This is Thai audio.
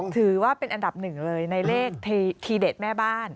ถือว่าเป็นอันดับหนึ่งเลยในเลขทีเด็ดแม่บ้าน